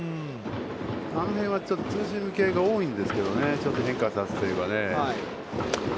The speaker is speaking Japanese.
あの辺はツーシーム系が多いんですけどね、ちょっと変化を出すかね。